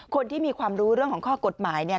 คนที่มีความรู้เรื่องของข้อกฎหมายเนี่ย